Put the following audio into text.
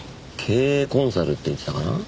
経営コンサルって言ってたかな。